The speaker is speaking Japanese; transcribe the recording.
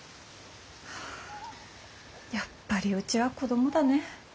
やっぱりうちは子供だね。